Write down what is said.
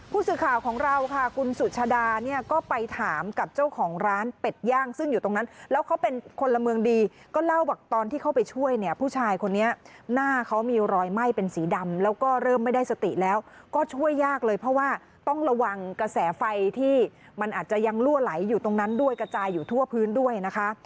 ผู้สื่อข่าวของเราค่ะคุณสุชาดาเนี่ยก็ไปถามกับเจ้าของร้านเป็ดย่างซึ่งอยู่ตรงนั้นแล้วเขาเป็นคนละเมืองดีก็เล่าบอกตอนที่เข้าไปช่วยเนี่ยผู้ชายคนนี้หน้าเขามีรอยไหม้เป็นสีดำแล้วก็เริ่มไม่ได้สติแล้วก็ช่วยยากเลยเพราะว่าต้องระวังกระแสไฟที่มันอาจจะยังลั่วไหลอยู่ตรงนั้นด้วยกระจายอยู่ทั่วพื้นด้วยนะคะ